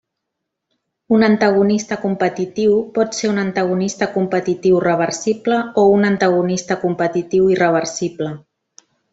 Un antagonista competitiu pot ser un antagonista competitiu reversible o un antagonista competitiu irreversible.